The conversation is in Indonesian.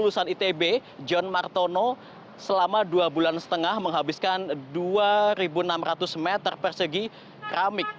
lelukisan yang dibuat oleh seniman lulusan itb john martono selama dua bulan setengah menghabiskan dua ribu enam ratus meter persegi keramik